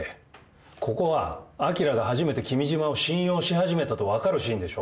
ここは明が初めて君島を信用し始めたと分かるシーンでしょ？